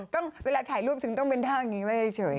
เวลาถ่ายรูปถึงต้องเป็นท่าอย่างนี้ไว้เฉย